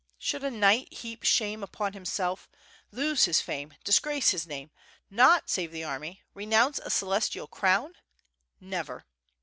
Should a knight heap shame upon himself, lose his fame, disgrace his name, not save the army, renounce a celestial crown? Never!"